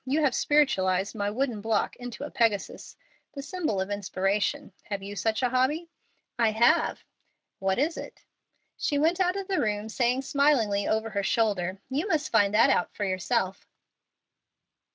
You have spiritualized my wooden block into a Pegasus the symbol of inspiration. Have you such a hobby?" "I have." "What is it?" She went out of the room, saying smilingly over her shoulder, "You must find that out for yourself."